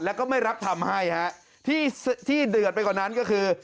แล้วก็ไม่รับทำให้ฮะที่ที่เดือดไปกว่านั้นก็คือ